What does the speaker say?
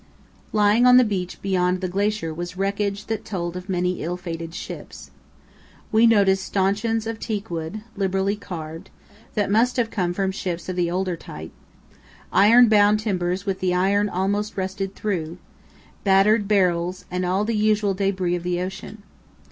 Lying on the beach beyond the glacier was wreckage that told of many ill fated ships. We noticed stanchions of teakwood, liberally carved, that must have came from ships of the older type; iron bound timbers with the iron almost rusted through; battered barrels and all the usual debris of the ocean.